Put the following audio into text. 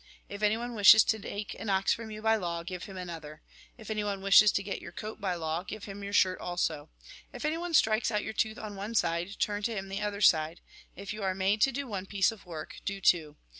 If anyone wishes to take an ox from you by law, give him another ; if anyone wishes to get your coat by law, give him your shirt also ; if anyone strikes out your tooth on one side, turn to him the other side. If you are made to do one piece of work, do two.